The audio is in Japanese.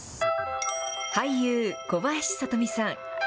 俳優、小林聡美さん。